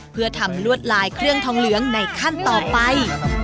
เพื่อทำลวดลายเครื่องทองเหลืองในขั้นต่อไป